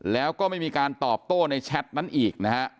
แล้วก็ไม่มีการตอบโต้ในแชทนั้นอีกนะฮะ